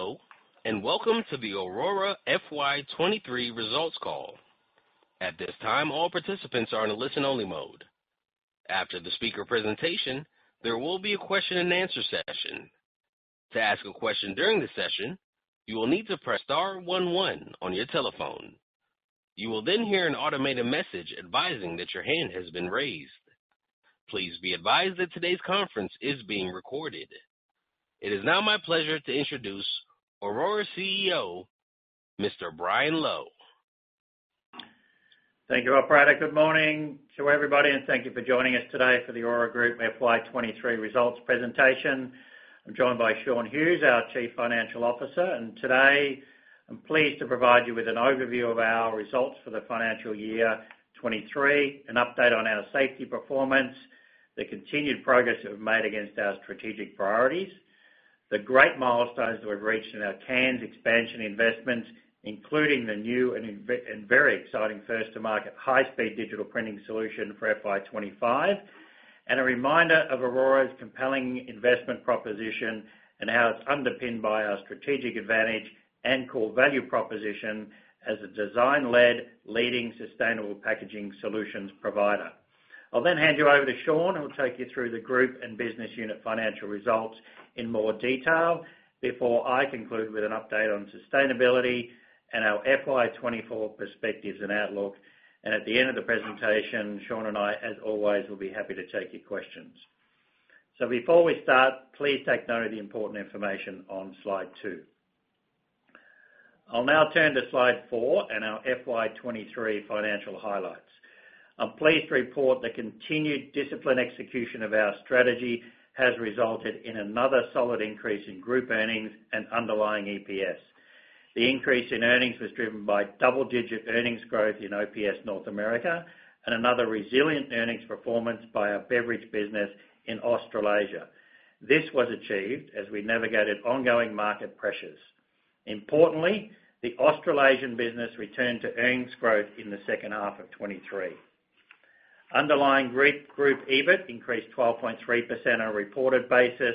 Hello, welcome to the Orora FY 2023 results call. At this time, all participants are in a listen-only mode. After the speaker presentation, there will be a question and answer session. To ask a question during the session, you will need to press star 11 on your telephone. You will hear an automated message advising that your hand has been raised. Please be advised that today's conference is being recorded. It is now my pleasure to introduce Orora's CEO, Mr. Brian Lowe. Thank you, Operator. Good morning to everybody, and thank you for joining us today for the Orora Group FY 23 results presentation. I'm joined by Shaun Hughes, our Chief Financial Officer. Today I'm pleased to provide you with an overview of our results for the financial year 2023, an update on our safety performance, the continued progress that we've made against our strategic priorities, the great milestones that we've reached in our cans expansion investments, including the new and very exciting first to market high-speed digital printing solution for FY 2025. A reminder of Orora's compelling investment proposition, and how it's underpinned by our strategic advantage and core value proposition as a design-led, leading sustainable packaging solutions provider. I'll hand you over to Shaun, who will take you through the group and business unit financial results in more detail before I conclude with an update on sustainability and our FY 2024 perspectives and outlook. At the end of the presentation, Shaun and I, as always, will be happy to take your questions. Before we start, please take note of the important information on slide 2. I'll now turn to slide 4 and our FY 2023 financial highlights. I'm pleased to report the continued disciplined execution of our strategy has resulted in another solid increase in group earnings and underlying EPS. The increase in earnings was driven by double-digit earnings growth in OPS North America, and another resilient earnings performance by our beverage business in Australasia. This was achieved as we navigated ongoing market pressures. Importantly, the Australasian business returned to earnings growth in the second half of 2023. Underlying group EBIT increased 12.3% on a reported basis,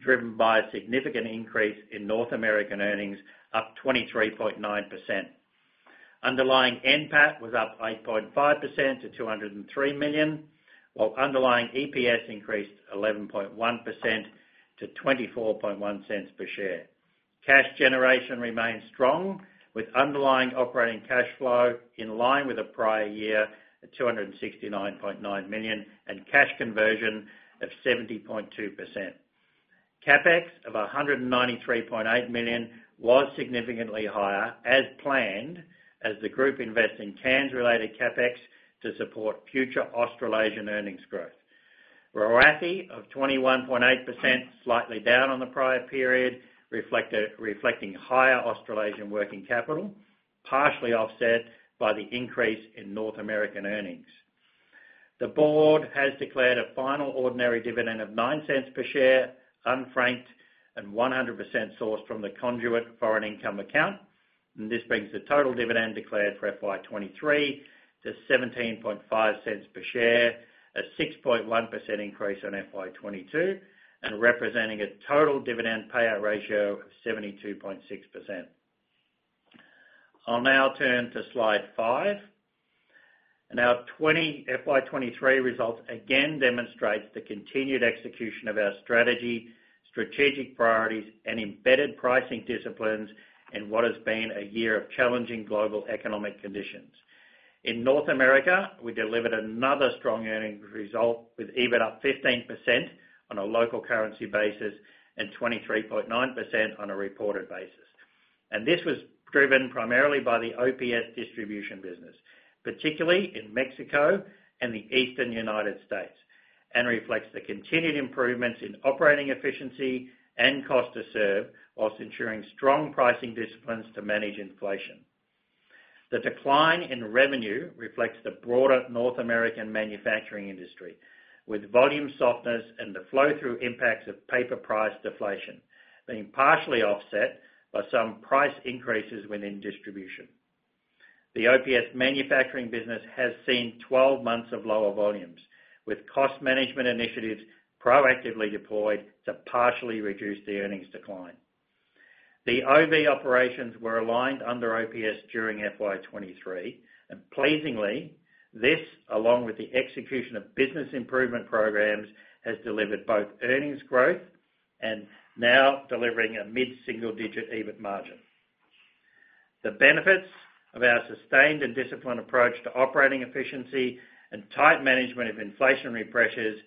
driven by a significant increase in North American earnings, up 23.9%. Underlying NPAT was up 8.5% to 203 million, while underlying EPS increased 11.1% to 0.241 per share. Cash generation remains strong, with underlying operating cash flow in line with the prior year at 269.9 million, and cash conversion of 70.2%. CapEx of 193.8 million was significantly higher, as planned, as the group invest in cans-related CapEx to support future Australasian earnings growth. RoACE of 21.8%, slightly down on the prior period, reflecting higher Australasian working capital, partially offset by the increase in North American earnings. The Board has declared a final ordinary dividend of 0.09 per share, unfranked, and 100% sourced from the Conduit Foreign Income Account. This brings the total dividend declared for FY 2023 to 0.175 per share, a 6.1% increase on FY 2022, and representing a total dividend payout ratio of 72.6%. I'll now turn to slide 5. Our FY 2023 results again demonstrates the continued execution of our strategy, strategic priorities, and embedded pricing disciplines in what has been a year of challenging global economic conditions. In North America, we delivered another strong earnings result, with EBIT up 15% on a local currency basis and 23.9% on a reported basis. This was driven primarily by the OPS distribution business, particularly in Mexico and the Eastern United States, and reflects the continued improvements in operating efficiency and cost to serve, while ensuring strong pricing disciplines to manage inflation. The decline in revenue reflects the broader North American manufacturing industry, with volume softness and the flow-through impacts of paper price deflation being partially offset by some price increases within distribution. The OPS manufacturing business has seen 12 months of lower volumes, with cost management initiatives proactively deployed to partially reduce the earnings decline. The Orora Visual operations were aligned under OPS during FY 2023. Pleasingly, this, along with the execution of business improvement programs, has delivered both earnings growth and now delivering a mid-single-digit EBIT margin. The benefits of our sustained and disciplined approach to operating efficiency and tight management of inflationary pressures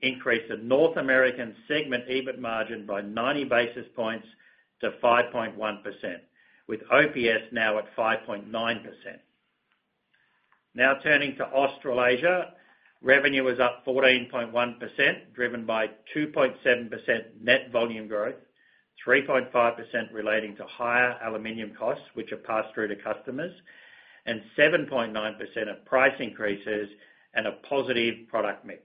increased the North American segment EBIT margin by 90 basis points to 5.1%, with OPS now at 5.9%. Turning to Australasia. Revenue was up 14.1%, driven by 2.7% net volume growth, 3.5% relating to higher aluminum costs, which are passed through to customers, and 7.9% of price increases and a positive product mix.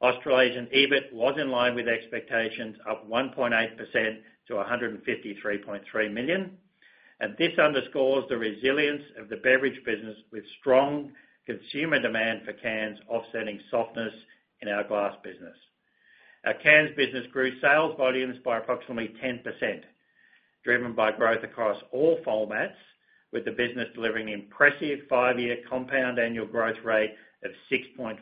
Australasian EBIT was in line with expectations, up 1.8% to 153.3 million. This underscores the resilience of the beverage business, with strong consumer demand for cans offsetting softness in our glass business. Our cans business grew sales volumes by approximately 10%, driven by growth across all formats, with the business delivering impressive five-year compound annual growth rate of 6.5%.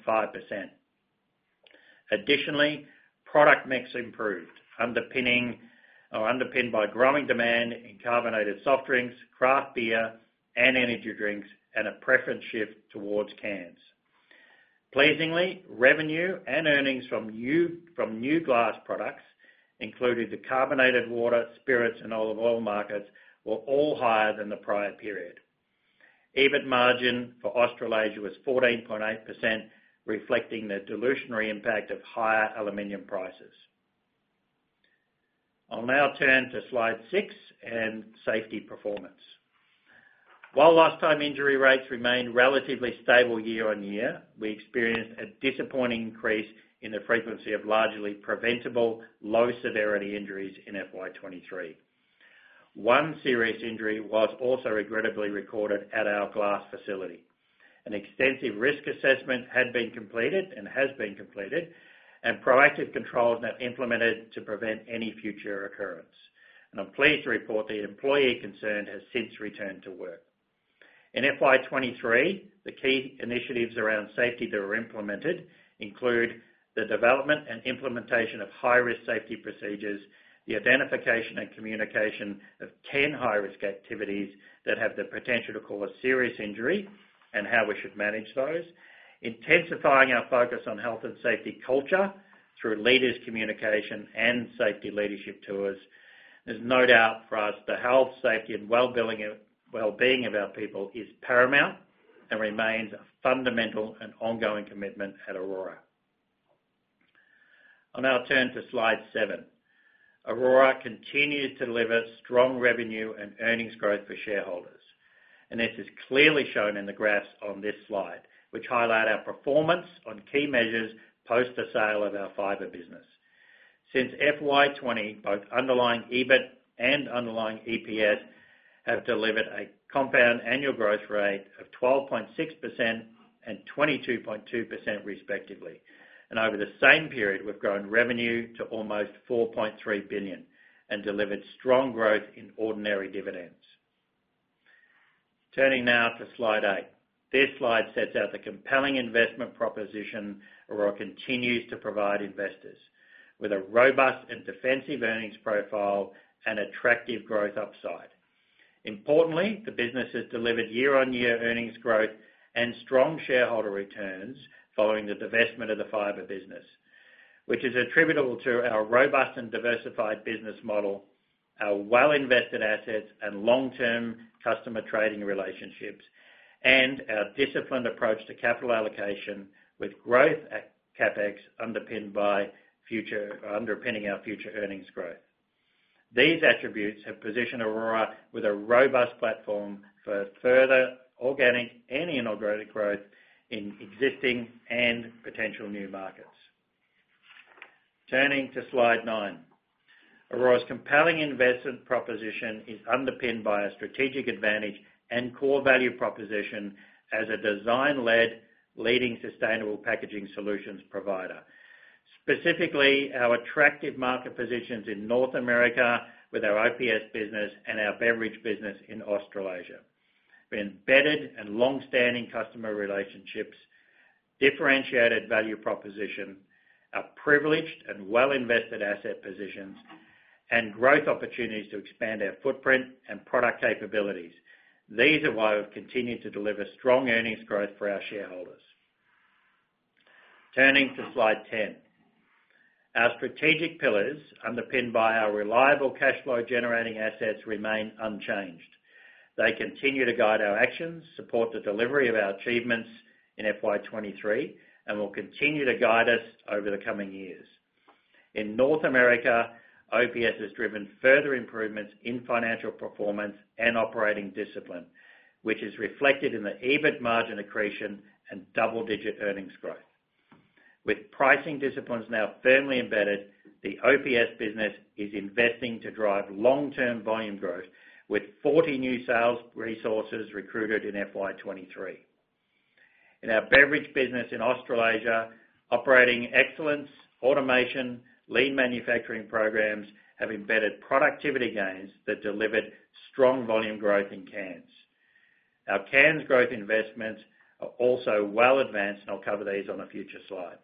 Additionally, product mix improved, underpinned by growing demand in carbonated soft drinks, craft beer, and energy drinks, and a preference shift towards cans. Pleasingly, revenue and earnings from new glass products, including the carbonated water, spirits, and olive oil markets, were all higher than the prior period. EBIT margin for Australasia was 14.8%, reflecting the dilutionary impact of higher aluminum prices. I'll now turn to Slide 6, and safety performance. While lost time injury rate remained relatively stable year-on-year, we experienced a disappointing increase in the frequency of largely preventable, low-severity injuries in FY 2023. One serious injury was also regrettably recorded at our glass facility. An extensive risk assessment had been completed, and has been completed, and proactive controls are now implemented to prevent any future occurrence. I'm pleased to report the employee concerned has since returned to work. In FY 2023, the key initiatives around safety that were implemented include: the development and implementation of high-risk safety procedures, the identification and communication of ten high-risk activities that have the potential to cause serious injury, and how we should manage those, intensifying our focus on health and safety culture through leaders communication and safety leadership tours. There's no doubt for us, the health, safety, and well-being of our people is paramount and remains a fundamental and ongoing commitment at Orora. I'll now turn to Slide 7. Orora continues to deliver strong revenue and earnings growth for shareholders, this is clearly shown in the graphs on this slide, which highlight our performance on key measures post the sale of our fiber business. Since FY 20, both underlying EBIT and underlying EPS have delivered a compound annual growth rate of 12.6% and 22.2%, respectively. Over the same period, we've grown revenue to almost AUD 4.3 billion and delivered strong growth in ordinary dividends. Turning now to Slide 8. This slide sets out the compelling investment proposition Orora continues to provide investors, with a robust and defensive earnings profile and attractive growth upside. Importantly, the business has delivered year-on-year earnings growth and strong shareholder returns following the divestment of the fiber business, which is attributable to our robust and diversified business model, our well-invested assets, and long-term customer trading relationships, and our disciplined approach to capital allocation, with growth CapEx, underpinning our future earnings growth. These attributes have positioned Orora with a robust platform for further organic and inorganic growth in existing and potential new markets. Turning to Slide 9. Orora's compelling investment proposition is underpinned by a strategic advantage and core value proposition as a design-led, leading sustainable packaging solutions provider. Specifically, our attractive market positions in North America with our OPS business and our beverage business in Australasia, with embedded and long-standing customer relationships, differentiated value proposition, a privileged and well-invested asset positions, and growth opportunities to expand our footprint and product capabilities. These are why we've continued to deliver strong earnings growth for our shareholders. Turning to Slide 10. Our strategic pillars, underpinned by our reliable cash flow-generating assets, remain unchanged. They continue to guide our actions, support the delivery of our achievements in FY 2023, and will continue to guide us over the coming years. In North America, OPS has driven further improvements in financial performance and operating discipline, which is reflected in the EBIT margin accretion and double-digit earnings growth. With pricing disciplines now firmly embedded, the OPS business is investing to drive long-term volume growth, with 40 new sales resources recruited in FY 2023. In our beverage business in Australasia, operating excellence, automation, lean manufacturing programs, have embedded productivity gains that delivered strong volume growth in cans. Our cans growth investments are also well advanced, and I'll cover these on a future slide.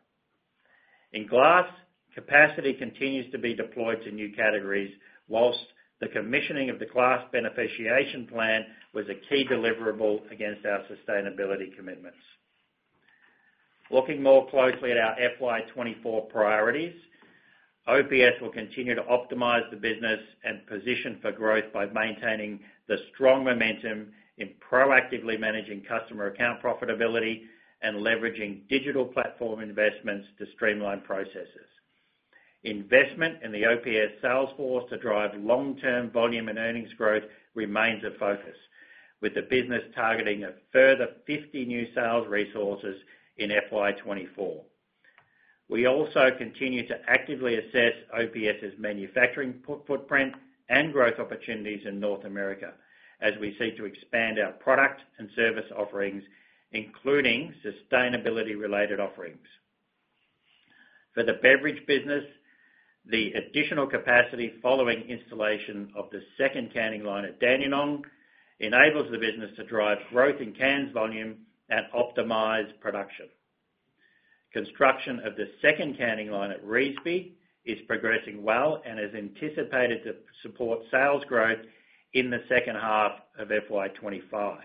In glass, capacity continues to be deployed to new categories, while the commissioning of the glass beneficiation plant was a key deliverable against our sustainability commitments. Looking more closely at our FY 2024 priorities, OPS will continue to optimize the business and position for growth by maintaining the strong momentum in proactively managing customer account profitability and leveraging digital platform investments to streamline processes. Investment in the OPS sales force to drive long-term volume and earnings growth remains a focus, with the business targeting a further 50 new sales resources in FY 2024. We also continue to actively assess OPS's manufacturing footprint and growth opportunities in North America, as we seek to expand our product and service offerings, including sustainability-related offerings. For the beverage business, the additional capacity following installation of the second canning line at Dandenong, enables the business to drive growth in cans volume and optimize production. Construction of the second canning line at Revesby is progressing well and is anticipated to support sales growth in the second half of FY 2025.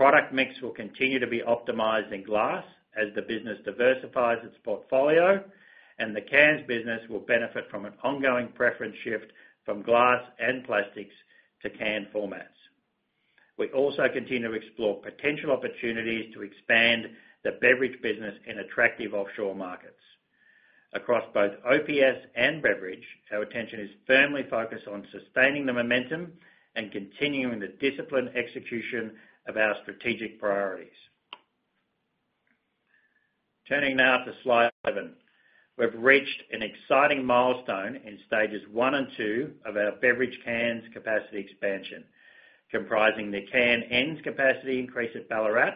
Product mix will continue to be optimized in glass as the business diversifies its portfolio, and the cans business will benefit from an ongoing preference shift from glass and plastics to can formats. We also continue to explore potential opportunities to expand the beverage business in attractive offshore markets. Across both OPS and beverage, our attention is firmly focused on sustaining the momentum and continuing the disciplined execution of our strategic priorities. Turning now to slide 11. We've reached an exciting milestone in stages 1 and 2 of our beverage cans capacity expansion, comprising the can ends capacity increase at Ballarat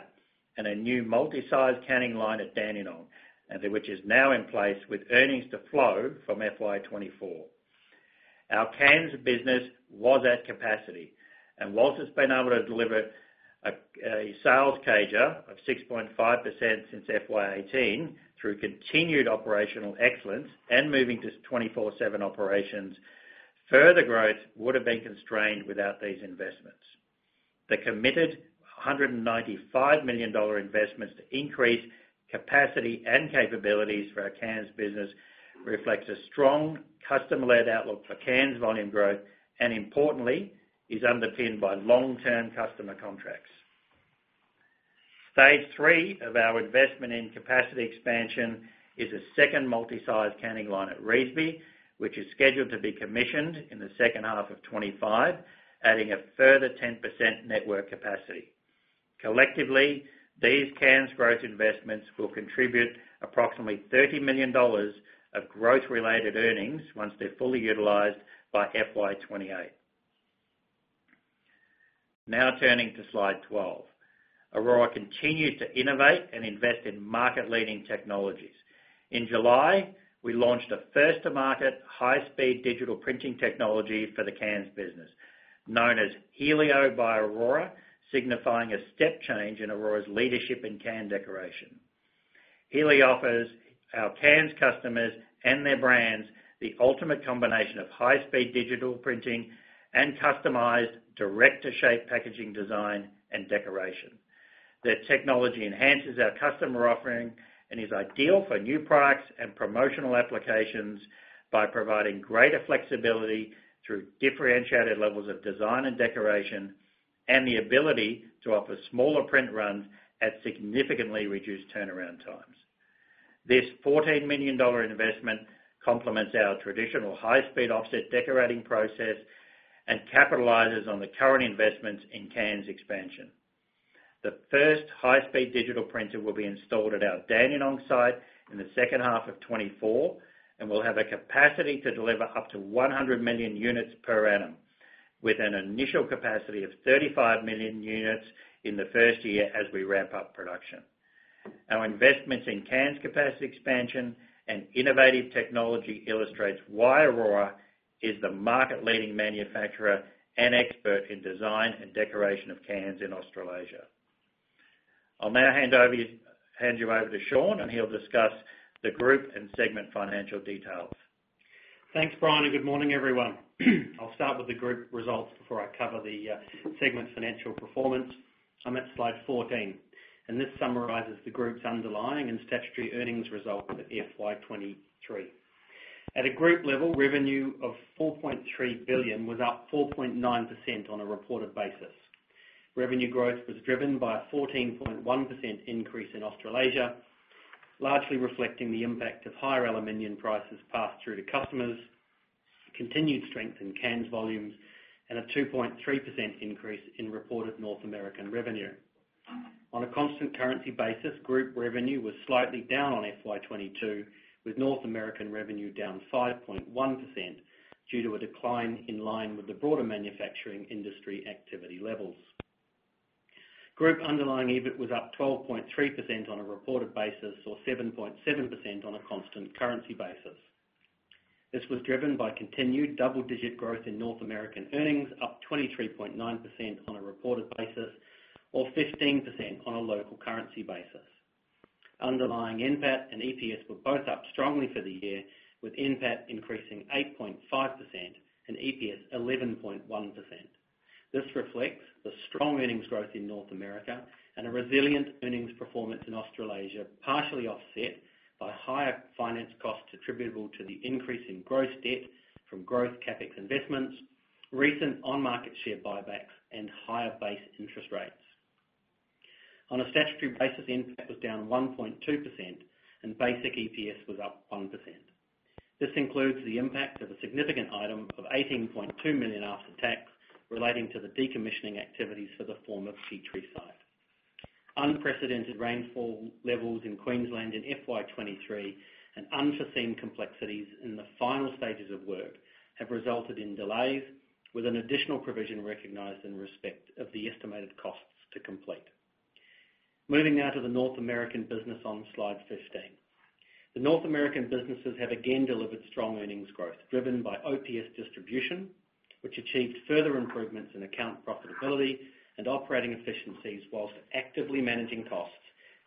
and a new multi-size canning line at Dandenong, and which is now in place with earnings to flow from FY 2024. Our cans business was at capacity, and whilst it's been able to deliver a sales CAGR of 6.5% since FY 2018, through continued operational excellence and moving to 24/7 operations, further growth would have been constrained without these investments. The committed 195 million dollar investments to increase capacity and capabilities for our cans business, reflects a strong customer-led outlook for cans volume growth, and importantly, is underpinned by long-term customer contracts. Stage 3 of our investment in capacity expansion is a second multi-size canning line at Revesby, which is scheduled to be commissioned in the second half of 2025, adding a further 10% network capacity. Collectively, these cans growth investments will contribute approximately 30 million dollars of growth-related earnings once they're fully utilized by FY 2028. Now, turning to slide 12. Orora continues to innovate and invest in market-leading technologies. In July, we launched a first-to-market, high-speed digital printing technology for the cans business, known as Helio by Orora, signifying a step change in Orora's leadership in can decoration. Helio offers our cans customers and their brands, the ultimate combination of high-speed digital printing and customized direct-to-shape printing, design, and decoration. The technology enhances our customer offering and is ideal for new products and promotional applications by providing greater flexibility through differentiated levels of design and decoration, and the ability to offer smaller print runs at significantly reduced turnaround times. This 14 million dollar investment complements our traditional high-speed offset decorating process and capitalizes on the current investments in cans expansion. The first high-speed digital printer will be installed at our Dandenong site in the second half of 2024, and will have a capacity to deliver up to 100 million units per annum, with an initial capacity of 35 million units in the first year as we ramp up production. Our investments in cans capacity expansion and innovative technology illustrates why Orora is the market-leading manufacturer and expert in design and decoration of cans in Australasia. I'll now hand you over to Shaun, and he'll discuss the group and segment financial details. Thanks, Brian, and good morning, everyone. I'll start with the group results before I cover the segment financial performance. I'm at slide 14, and this summarizes the group's underlying and statutory earnings results for FY 2023. At a group level, revenue of $4.3 billion was up 4.9% on a reported basis. Revenue growth was driven by a 14.1% increase in Australasia, largely reflecting the impact of higher aluminum prices passed through to customers, continued strength in cans volumes, and a 2.3% increase in reported North American revenue. On a constant currency basis, group revenue was slightly down on FY 2022, with North American revenue down 5.1% due to a decline in line with the broader manufacturing industry activity levels. Group underlying EBIT was up 12.3% on a reported basis or 7.7% on a constant currency basis. This was driven by continued double-digit growth in North American earnings, up 23.9% on a reported basis or 15% on a local currency basis. Underlying NPAT and EPS were both up strongly for the year, with NPAT increasing 8.5% and EPS 11.1%. This reflects the strong earnings growth in North America and a resilient earnings performance in Australasia, partially offset by higher finance costs attributable to the increase in gross debt from growth CapEx investments, recent on-market share buybacks, and higher base interest rates. On a statutory basis, NPAT was down 1.2% and basic EPS was up 1%. This includes the impact of a significant item of 18.2 million after tax, relating to the decommissioning activities for the former Petrie site. Unprecedented rainfall levels in Queensland in FY 2023 and unforeseen complexities in the final stages of work, have resulted in delays, with an additional provision recognized in respect of the estimated costs to complete. Moving now to the North American business on Slide 15. The North American businesses have again delivered strong earnings growth, driven by OPS distribution, which achieved further improvements in account profitability and operating efficiencies, whilst actively managing costs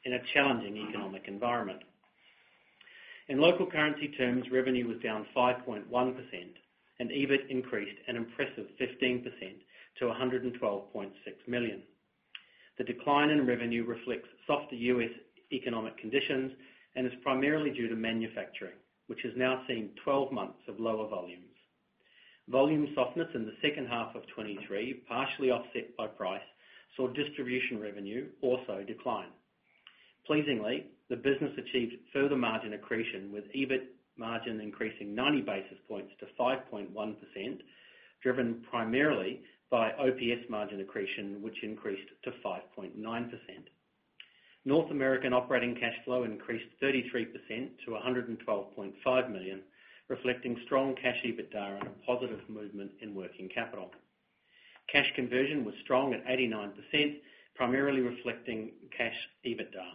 in a challenging economic environment. In local currency terms, revenue was down 5.1%, and EBIT increased an impressive 15% to $112.6 million. The decline in revenue reflects softer U.S. economic conditions and is primarily due to manufacturing, which has now seen 12 months of lower volumes. Volume softness in the second half of 2023, partially offset by price, saw distribution revenue also decline. Pleasingly, the business achieved further margin accretion, with EBIT margin increasing 90 basis points to 5.1%, driven primarily by OPS margin accretion, which increased to 5.9%. North American operating cash flow increased 33% to $112.5 million, reflecting strong cash EBITDA and a positive movement in working capital. Cash conversion was strong at 89%, primarily reflecting cash EBITDA.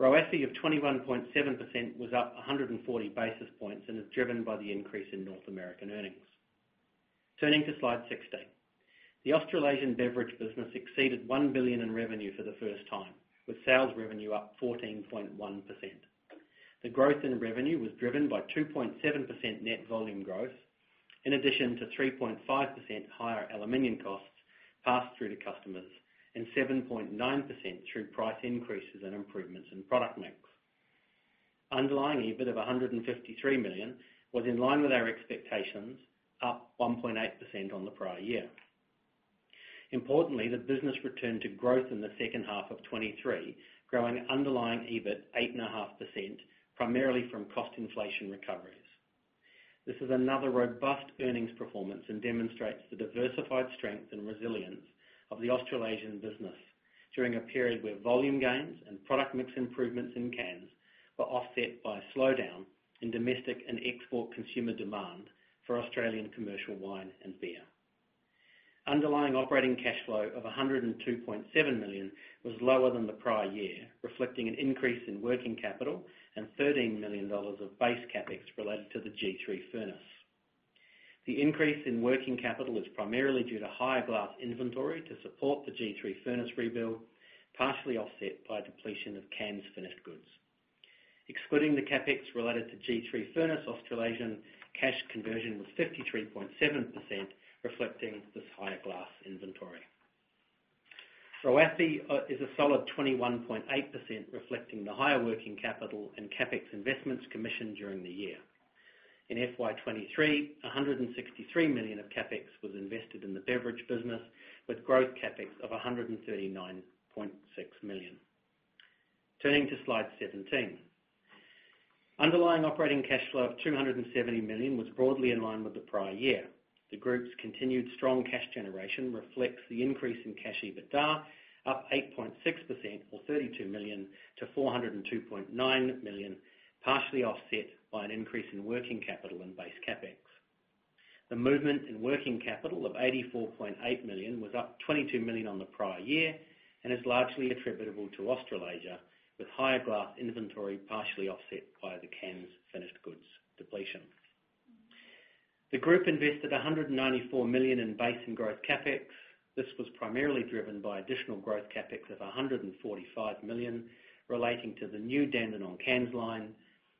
RoACE of 21.7% was up 140 basis points and is driven by the increase in North American earnings. Turning to Slide 16. The Australasian Beverage business exceeded 1 billion in revenue for the first time, with sales revenue up 14.1%. The growth in revenue was driven by 2.7% net volume growth, in addition to 3.5% higher aluminum costs passed through to customers and 7.9% through price increases and improvements in product mix. Underlying EBIT of 153 million, was in line with our expectations, up 1.8% on the prior year. Importantly, the business returned to growth in the second half of 2023, growing underlying EBIT 8.5%, primarily from cost inflation recoveries. This is another robust earnings performance and demonstrates the diversified strength and resilience of the Australasian business during a period where volume gains and product mix improvements in cans were offset by a slowdown in domestic and export consumer demand for Australian commercial wine and beer. Underlying operating cash flow of 102.7 million was lower than the prior year, reflecting an increase in working capital and 13 million dollars of base CapEx related to the G3 furnace. The increase in working capital is primarily due to higher glass inventory to support the G3 furnace rebuild, partially offset by depletion of cans finished goods. Excluding the CapEx related to G3 furnace, Australasian cash conversion was 53.7%, reflecting this higher glass inventory. RoACE is a solid 21.8%, reflecting the higher working capital and CapEx investments commissioned during the year. In FY 2023, 163 million of CapEx was invested in the beverage business, with growth CapEx of 139.6 million. Turning to Slide 17. Underlying operating cash flow of 270 million was broadly in line with the prior year. The group's continued strong cash generation reflects the increase in cash EBITDA, up 8.6% or 32 million to 402.9 million, partially offset by an increase in working capital and base CapEx. The movement in working capital of 84.8 million was up 22 million on the prior year and is largely attributable to Australasia, with higher glass inventory partially offset by the cans finished goods depletion. The group invested 194 million in base and growth CapEx. This was primarily driven by additional growth CapEx of 145 million, relating to the new Dandenong cans line,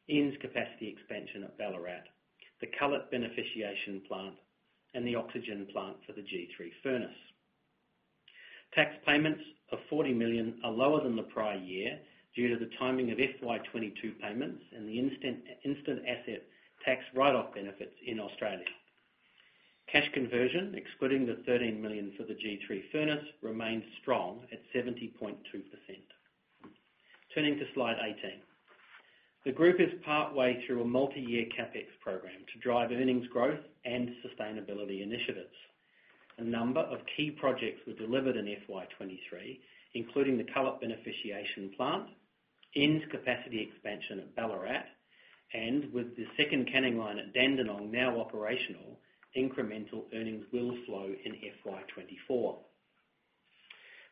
ends capacity expansion at Ballarat, the cullet beneficiation plant, and the oxygen plant for the G3 furnace. Tax payments of 40 million are lower than the prior year due to the timing of FY 2022 payments and the instant asset tax write-off benefits in Australia. Cash conversion, excluding the 13 million for the G3 furnace, remains strong at 70.2%. Turning to Slide 18. The group is partway through a multi-year CapEx program to drive earnings growth and sustainability initiatives. A number of key projects were delivered in FY 2023, including the cullet beneficiation plant, ends capacity expansion at Ballarat, and with the second canning line at Dandenong now operational, incremental earnings will flow in FY 2024.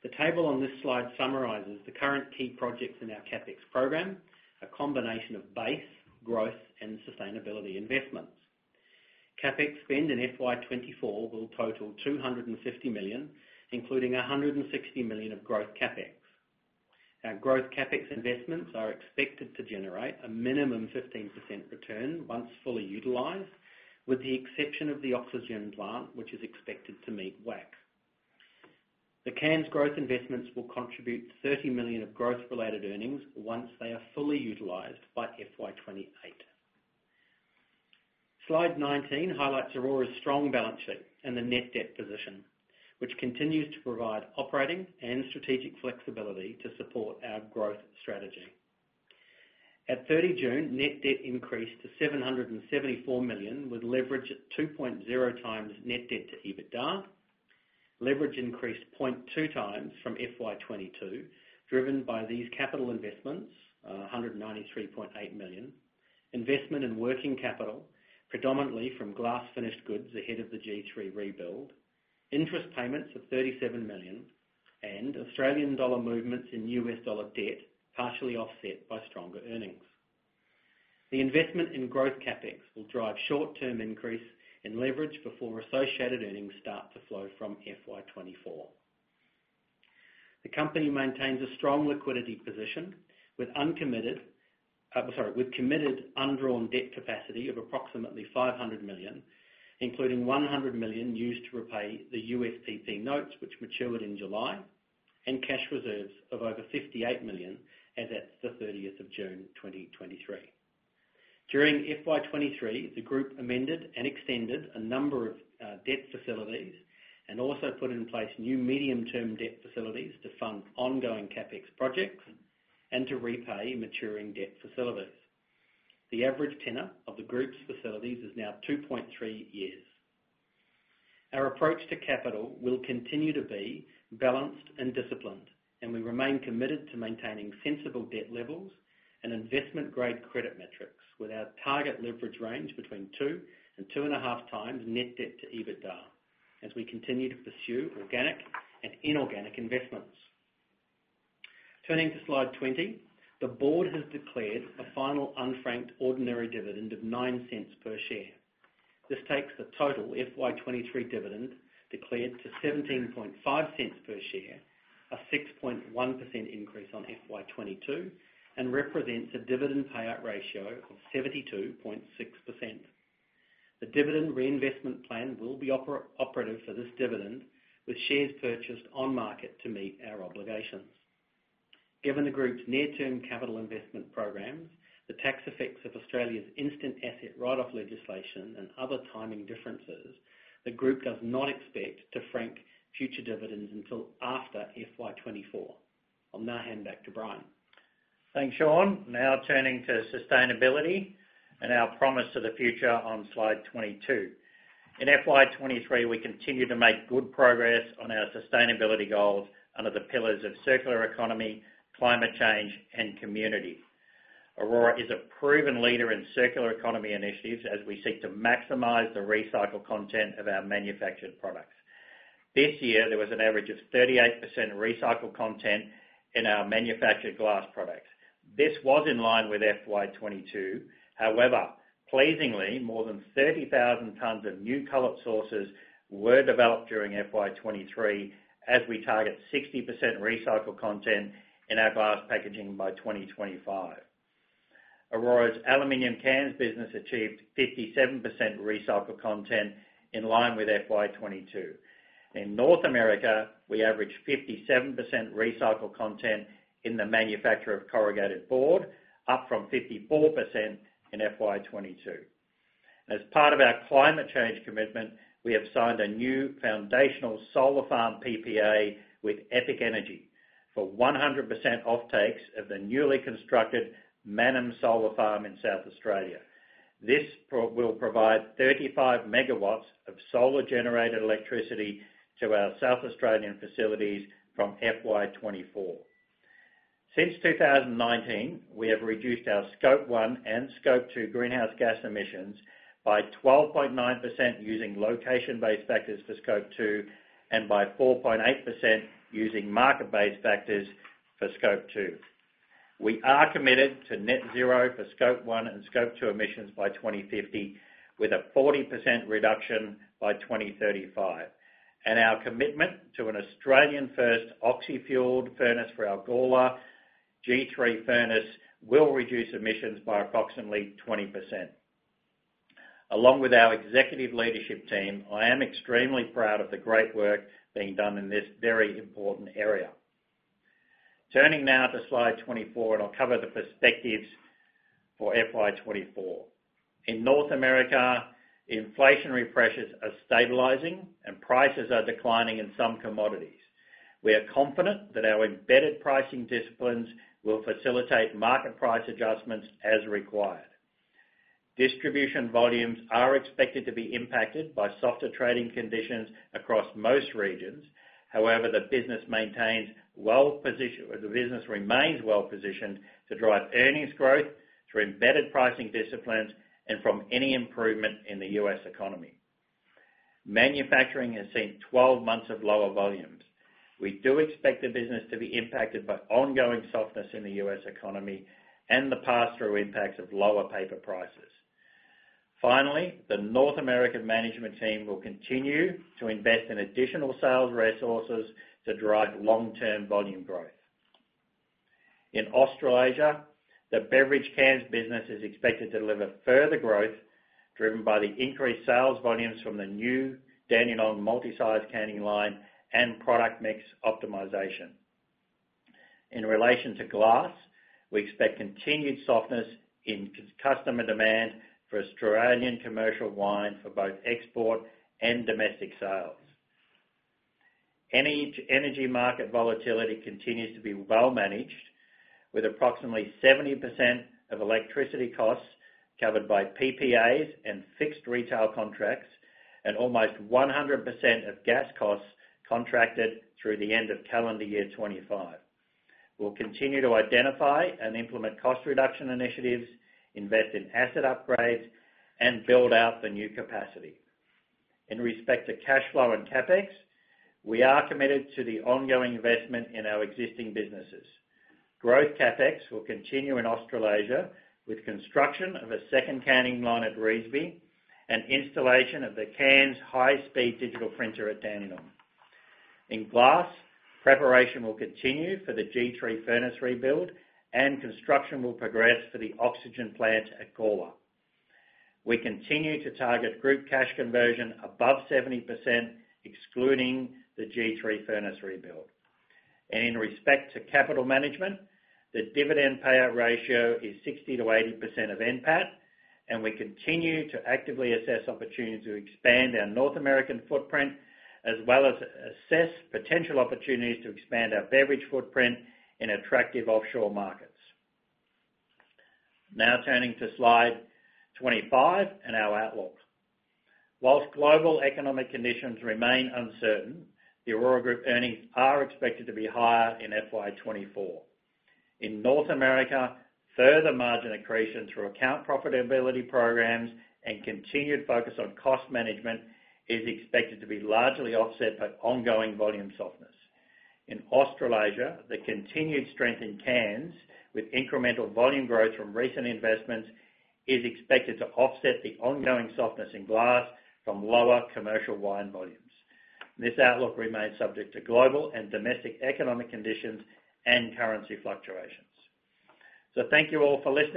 The table on this slide summarizes the current key projects in our CapEx program, a combination of base, growth, and sustainability investments. CapEx spend in FY 2024 will total 250 million, including 160 million of growth CapEx. Our growth CapEx investments are expected to generate a minimum 15% return once fully utilized, with the exception of the oxygen plant, which is expected to meet WACC. The cans growth investments will contribute 30 million of growth-related earnings once they are fully utilized by FY 2028. Slide 19 highlights Orora's strong balance sheet and the net debt position, which continues to provide operating and strategic flexibility to support our growth strategy. At 30 June, net debt increased to 774 million, with leverage at 2.0 times net debt to EBITDA. Leverage increased 0.2x from FY 2022, driven by these capital investments, 193.8 million. Investment in working capital, predominantly from glass finished goods ahead of the G3 rebuild, interest payments of 37 million, and Australian dollar movements in US dollar debt, partially offset by stronger earnings. The investment in growth CapEx will drive short-term increase in leverage before associated earnings start to flow from FY 2024. The company maintains a strong liquidity position with committed undrawn debt capacity of approximately 500 million, including 100 million used to repay the USPP notes, which matured in July, and cash reserves of over 58 million, as at the 30th of June 2023. During FY 2023, the group amended and extended a number of debt facilities and also put in place new medium-term debt facilities to fund ongoing CapEx projects and to repay maturing debt facilities. The average tenor of the group's facilities is now 2.3 years. Our approach to capital will continue to be balanced and disciplined, and we remain committed to maintaining sensible debt levels and investment-grade credit metrics with our target leverage range between 2 and 2.5 times net debt to EBITDA, as we continue to pursue organic and inorganic investments. Turning to Slide 20, the board has declared a final unfranked ordinary dividend of 0.09 per share. This takes the total FY 2023 dividend declared to 0.175 per share, a 6.1% increase on FY 2022, and represents a dividend payout ratio of 72.6%. The dividend reinvestment plan will be operative for this dividend, with shares purchased on market to meet our obligations. Given the group's near-term capital investment programs, the tax effects of Australia's instant asset write-off legislation, and other timing differences, the group does not expect to frank future dividends until after FY 2024. I'll now hand back to Brian. Thanks, Shaun. Now turning to sustainability and our promise to the future on Slide 22. In FY 2023, we continued to make good progress on our sustainability goals under the pillars of circular economy, climate change, and community. Orora is a proven leader in circular economy initiatives as we seek to maximize the recycled content of our manufactured products. This year, there was an average of 38% recycled content in our manufactured glass products. This was in line with FY 2022. However, pleasingly, more than 30,000 tons of new cullet sources were developed during FY 2023, as we target 60% recycled content in our glass packaging by 2025. Orora's aluminum cans business achieved 57% recycled content in line with FY 2022. In North America, we averaged 57% recycled content in the manufacture of corrugated board, up from 54% in FY 2022. As part of our climate change commitment, we have signed a new foundational solar farm PPA with Epic Energy for 100% offtakes of the newly constructed Mannum Solar Farm in South Australia. This pro- will provide 35 megawatts of solar-generated electricity to our South Australian facilities from FY 2024. Since 2019, we have reduced our Scope 1 and Scope 2 greenhouse gas emissions by 12.9% using location-based factors for Scope 2, and by 4.8% using market-based factors for Scope 2. We are committed to net zero for Scope 1 and Scope 2 emissions by 2050, with a 40% reduction by 2035. Our commitment to an Australian-first oxy-fuel furnace for our Gawler G3 furnace will reduce emissions by approximately 20%. Along with our executive leadership team, I am extremely proud of the great work being done in this very important area. Turning now to Slide 24, I'll cover the perspectives for FY 2024. In North America, inflationary pressures are stabilizing and prices are declining in some commodities. We are confident that our embedded pricing disciplines will facilitate market price adjustments as required. Distribution volumes are expected to be impacted by softer trading conditions across most regions. However, the business remains well-positioned to drive earnings growth through embedded pricing disciplines and from any improvement in the US economy. Manufacturing has seen 12 months of lower volumes. We do expect the business to be impacted by ongoing softness in the US economy and the pass-through impacts of lower paper prices. Finally, the North American management team will continue to invest in additional sales resources to drive long-term volume growth. In Australasia, the beverage cans business is expected to deliver further growth, driven by the increased sales volumes from the new Dandenong multi-size canning line and product mix optimization. In relation to glass, we expect continued softness in customer demand for Australian commercial wine for both export and domestic sales. Energy, energy market volatility continues to be well managed, with approximately 70% of electricity costs covered by PPAs and fixed retail contracts, and almost 100% of gas costs contracted through the end of calendar year 2025. We'll continue to identify and implement cost reduction initiatives, invest in asset upgrades, and build out the new capacity. In respect to cash flow and CapEx, we are committed to the ongoing investment in our existing businesses. Growth CapEx will continue in Australasia, with construction of a second canning line at Revesby and installation of the cans' high-speed digital printer at Dandenong. In glass, preparation will continue for the G3 furnace rebuild. Construction will progress for the oxygen plant at Gawler. We continue to target group cash conversion above 70%, excluding the G3 furnace rebuild. In respect to capital management, the dividend payout ratio is 60%-80% of NPAT, and we continue to actively assess opportunities to expand our North American footprint, as well as assess potential opportunities to expand our beverage footprint in attractive offshore markets. Now turning to Slide 25 and our outlook. Whilst global economic conditions remain uncertain, the Orora Group earnings are expected to be higher in FY 2024. In North America, further margin accretion through account profitability programs and continued focus on cost management is expected to be largely offset by ongoing volume softness. In Australasia, the continued strength in cans, with incremental volume growth from recent investments, is expected to offset the ongoing softness in glass from lower commercial wine volumes. This outlook remains subject to global and domestic economic conditions and currency fluctuations. Thank you all for listening.